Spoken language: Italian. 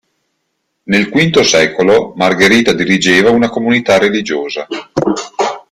Nel V secolo Margherita dirigeva una comunità religiosa.